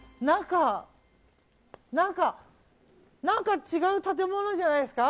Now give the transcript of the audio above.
何か、違う建物じゃないですか。